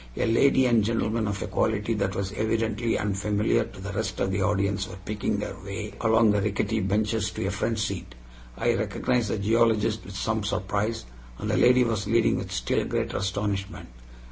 A lady and gentleman of a quality that was evidently unfamiliar to the rest of the audience were picking their way along the rickety benches to a front seat. I recognized the geologist with some surprise, and the lady he was leading with still greater astonishment.